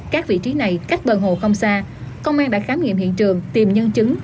các vị trí này cách bờ hồ không xa công an đã khám nghiệm hiện trường tìm nhân chứng